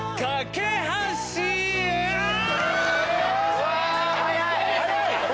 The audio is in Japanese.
うわ速い！